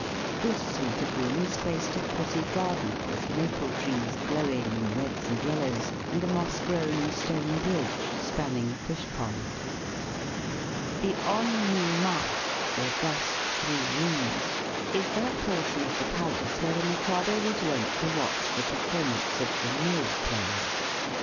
This suite of rooms faced a pretty garden with maple trees glowing in reds and yellows, and a moss grown stone bridge spanning a fish pond. The On mi ma, august three rooms," is that portion of the palace where the Mikado was wont to watch the performance of the No players.